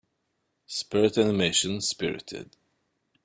Spirit animation Spirited.